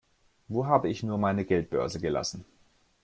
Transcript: Wo habe ich nur meine Geldbörse gelassen?